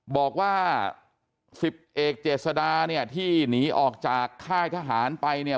บอกว่า๑๐เอกเจษดาเนี่ยที่หนีออกจากค่ายทหารไปเนี่ย